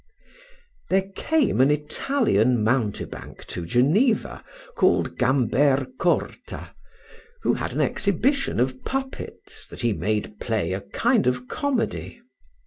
There came an Italian mountebank to Geneva, called Gamber Corta, who had an exhibition of puppets, that he made play a kind of comedy.